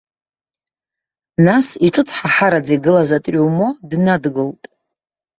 Нас иҿыцҳаҳараӡа игылаз атриумо днадгылт.